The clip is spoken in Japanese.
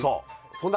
そんな